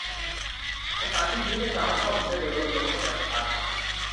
สถานที่นี้ไม่สามารถเข้าถึงได้โดยรถยนต์เนื่องจากสะพานหัก